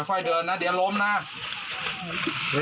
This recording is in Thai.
ค่อยเดินนะเดี๋ยวล้มนะ